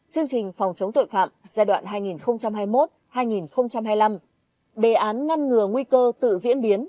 chương trình phòng chống tội phạm giai đoạn hai nghìn hai mươi một hai nghìn hai mươi năm đề án ngăn ngừa nguy cơ tự diễn biến